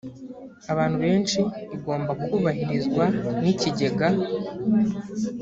abantu benshi igomba kubahirizwa n’ikigega